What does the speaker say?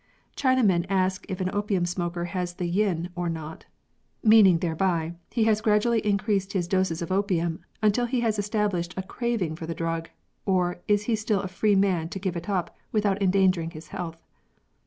Chinamen ask if an opium smoker has the yin or not ; meaning thereby, has he gradually increased his doses of opium until he has established a craving for the drug, or is he still a free man to give it up without endangering his health.